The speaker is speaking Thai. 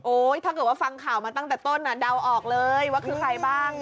ถ้าเกิดว่าฟังข่าวมาตั้งแต่ต้นเดาออกเลยว่าคือใครบ้าง